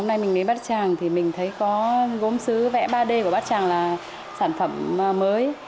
hôm nay mình lấy bát tràng thì mình thấy có gốm xứ vẽ ba d của bát tràng là sản phẩm mới